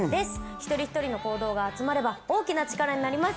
一人一人の行動が集まれば大きな力になります。